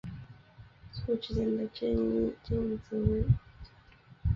簇之间的正则映射相对其上的扎里斯基拓扑是连续的。